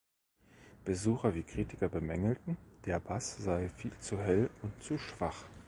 Besucher wie Kritiker bemängelten, der Bass sei viel zu hell und zu schwach.